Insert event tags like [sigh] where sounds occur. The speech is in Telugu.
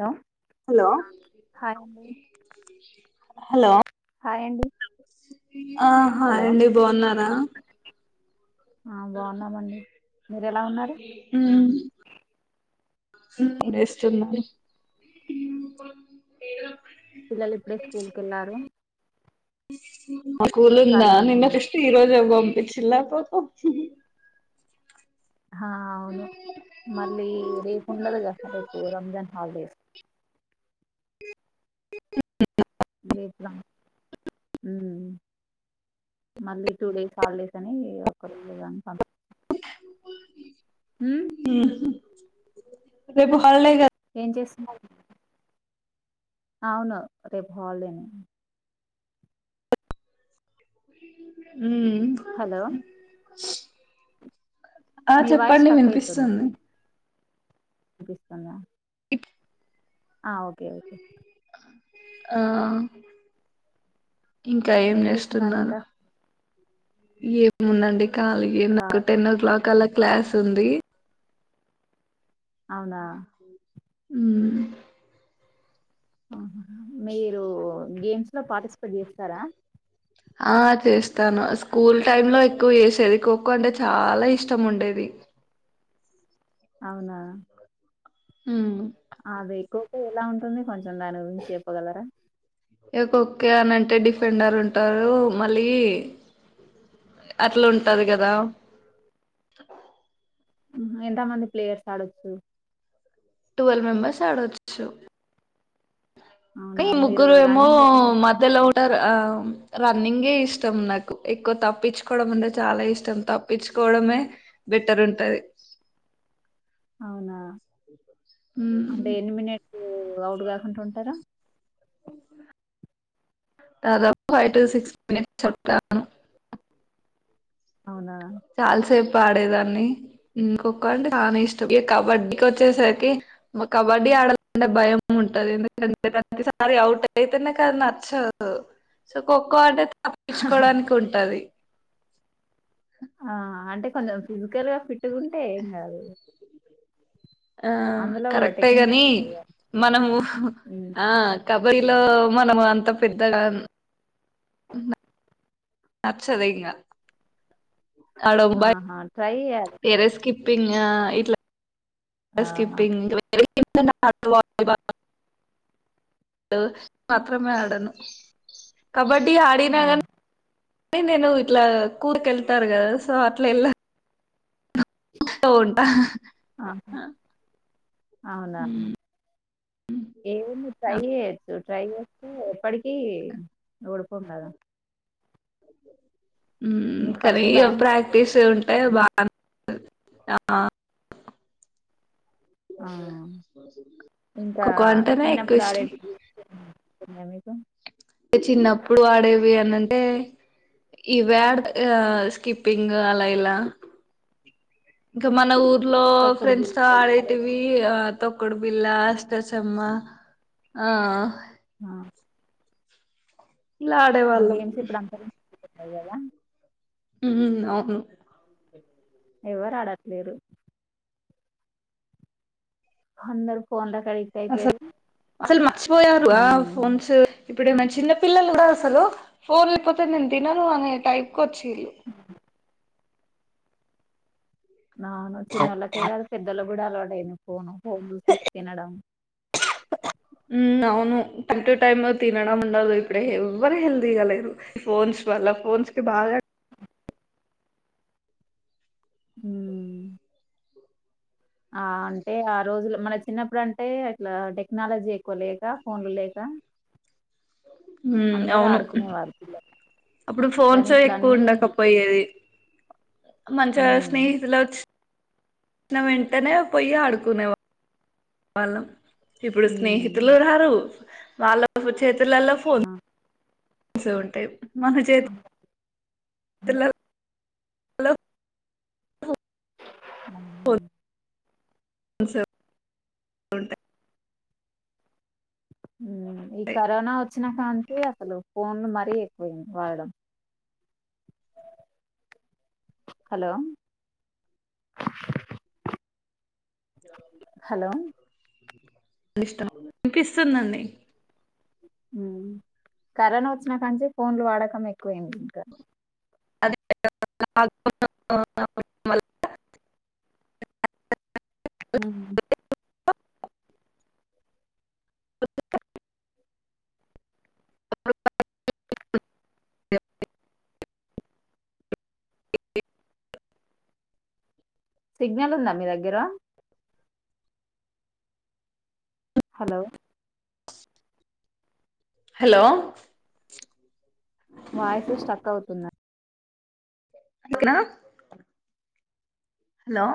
హలో హలో హ అడి హలో హాయండి ఆహా అండి బాగున్నారా ఆ బాగున్నామండి మీరు ఎలా ఉన్నారు ేస్తున్నాను పిల్లలు ఇప్పుడే స్కూల్ క వెళ్లారు [unintelligible] ఆ కూూలుందా ఖాళీగానే నిన్నత్ ఉన్నా ఇస్టి ఈ రజ అవ్వం ఇ చిలప్పు ఆ అవును మళ్ళీ రేపు ఉండదుగా రేపు రంజాన్ హాలిడేస్ [unintelligible] వట్ం మళ్ళీ టూ డేస్ హాలిడేస్ అని ఒకళదని ప ఆ రేపు హల్లే ఏం చేస్తున్నారు అవును రేపు బవలేనే హ హలో [unintelligible] ఆ మీ వాయిస్ చెప్పండి వినిపిస్తుంది వినిపిస్తుంది ఆ ఇప్పు ఆ ఓకే ఓకే ఆ ఇంకా ఏం చేస్తున్నారు ఏముందండి కా కాాల టెన్ ఓ క్లాక్ అలా క్లాస్ ఉంది అవునా అ అ మీరు గేమ్స్ లో పార్టిసిపేట్ చేస్తారా ఆ చేస్తాను స్కూల్ టైమ్ లో ఎక్కువ చేసేది ఖోఖో అంటే చాలా ఇష్టం ఉండేది అవునా ఉమ్ అదే కోక ఎలా ఉంటుంది కొంచెం దాని గురించి చెప్పగలరా ఇకొక్కే అని అంటే డిఫెండర్ ఉంటారు మళ్ళీ అట్లా ఉంటారు కదా ఎంత మంది ప్లేయర్స్ ఆడొచ్చు ట్వల్వ్ మెంబర్స్ ఆడవచ్చు కా అవునా! మీరు ముగ్గురు ఏమో రన్నింగ్ మధలో ఉంటారు ఆ రన్నింగే ఇష్టం నాకు ఎక్కువ తప్పించుకోవడం అంటే చాలా ఇష్టం తప్పించుకోవడమే బెటర్ ఉంటది అవునా అంటే ఉమ్, ఎన్ని మనిట్లు అవుట్ కాకుండా ఉంటారా దాదాపు ఫైవ్ టు సిక్స్ మినిట్స్ చెప్తాను అవునా! చాల సే ఆడేదాన్ని ఖోఖో అంటే చా ఇష్టం ఇ కబడ్డీకి వచ్చేసరికి కబడ్డీ ఆడాలంటే భయం ఉంటంది ఎందుకంటే ప్రతిసారి అవుట్ అయితేనేకది నచ్చదు సో ఖోఖో అంటే తప్పించుకోవడానికి ఉంటది ఆ అంటే కొంచెం ఫిజికల్ గా ఫిట్గా ఉంటే ఏం కాదు ఆ అందులో కూడా కరెక్టే టెక్నిక్స్ కాగాని ఉంటాయి కదా! మనము హ్మ్. ఆ కబడ్డీలో మనం అంత పెద్దగా ఆ నచ్చదంగా అడబా ఆహా! ట్రై చేయాలి. పెరస్కిప్పింగ్ ఇట్లా ఆ! స్కకిప్పింగ్ అ మేడను కబడ్డీ ఆడిన ఆ! గన్ తే నేను ఇట్లా కూర్కు వెళ్తారు కదా సో అట్లా వెళ తో ఉంటా ఆ అవునా ఏను ట్రై చేతుం ట్రై చేస్తే ఎప్పటికీ ఓడిపోము కదా అఓకే మీకు ఉ కానీ ఫస్ట్ భయం ఉంటది. ప్రాక్టీస్ ఉంటాయి బా ఆ ఆ ఇంకా ఖోఖో అంటేనే చిన్నప్పుడు ఎక్కువ ఇష్టం ఆడేటివి ర్తుందా మీకు చిన్నప్పుడు ఆడేవి అని అం ఇవే ఆడతా ఆ స్కిప్పింగ్ అలా ఇలా ఇంకా మన ఊరు లో తొక్కుడు ఫ్రెండ్స్ బిళ్ళ తో ఇవి ఆడేది ఆడేటివి ఇక తొక్కుడు బిళ్ళ అష్ట చెమ్మ ఆ ఆ ఇలా అడేవాళ్ళం ఉన్నాయ్ గదా ఉమ్ అవును ఎవ్వరు ఆడట్లేరు అందరు ఫోన్ల అస్సల్ అసలు మర్చిపోయారు గా ఉమ్ ఫోన్స్ ఇప్పుడు ఏమనా చిన్న పిల్లలు కూడా అసలు ఫోన్ లేపోతే నేను తినను అనే టైప్ కొచ్చిరీ ఆను చిన్నోళ్లకే కాదు పెద్దల్లాక్ గుడా అలవాటైంది ఫోను ఫోన్ చూసుకుంట తినడం ఉ అవును తింటు టైంలో తినడం నల్ ఇప్పుడే ఎవ్వరి హెల్ దిగలేదు ఫోన్స్ వల్ల ఫోన్స్ కి బాగా ఉమ్ ఆ అంటే ఆ రోజులు మన చిన్నప్పుడు అంటే ఇట్లా టెక్నాలజీ ఎక్కువ లేక ఫోన్లు లేక ఉమ్ అందరు అవును ఆడుకునేవారు పిల్లలు అప్పుడు ఫోన్స్ ఎక్కువ ఉండకపోయేది మంచిగా ఉమ్ స్నేహితులు వచ్ నౌ వెంటనే పోయి ఆడుకునేవా వాళ్ళం ఇప్పుడు ఉమ్ స్నేహితులు రారు వాళ్లకు చే తులల్ల ఫోన్ ఆ సే ఉంటాయి ఆ, మనచేత్ తుల లో ఆ. అసల్ ఉంటాయ్ ఊ ఈ కరోనా వచ్చినా కాడ నుంచి అసలు ఫోన్లు మరీ ఎక్కువ అయింది వాడడం హలో హలో డిస్టర్బ్ అనిపిస్తుందండి ఉ కరోనా వచ్చినా కాడ నుంచి ఫోన్లు వాడకం ఎక్కువైంది ఇంకా [inaudible] ఉహు [inaudible] [inaudible] సిగ్నల్ ఉందా మీ దగ్గర హలో హలో వాయిస్ స్టక్ అవుతుంది [inaudible] హలో